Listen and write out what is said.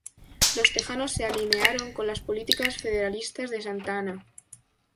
Los tejanos se alinearon con las políticas federalistas de Santa Anna.